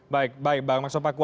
baik baik pak